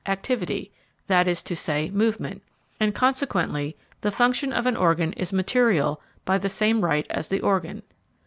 activity, that is to say movement, and, consequently, the function of an organ is material by the same right as the organ.